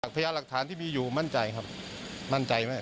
พยายามหลักฐานที่มีอยู่มั่นใจครับมั่นใจไหม